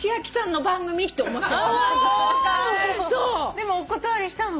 でもお断りしたの？